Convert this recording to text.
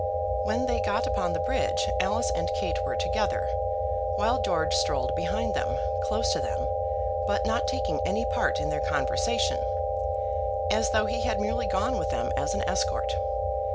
When they got upon the bridge Alice and Kate were together, while George strolled behind them, close to them, but not taking any part in their conversation, as though he had merely gone with them as an escort.